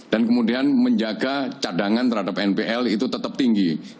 kemudian menjaga cadangan terhadap npl itu tetap tinggi